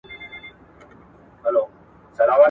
کوه نور غوندي ځلېږي یو غمی پکښي پیدا کړي